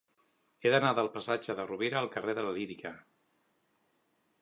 He d'anar del passatge de Rovira al carrer de la Lírica.